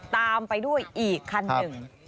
ตามไปด้วยอีกคันหนึ่ง